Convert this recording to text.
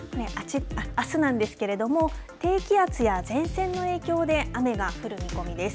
あすなんですけれども低気圧や前線の影響で雨が降る見込みです。